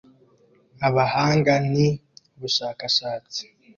abahanga ni ubushakashatsi